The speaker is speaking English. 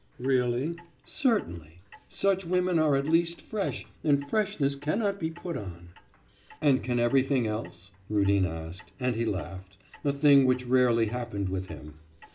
'Really?' 'Certainly. Such women are at least fresh, and freshness cannot be put on.' 'And can everything else?' Rudin asked, and he laughed a thing which rarely happened with him.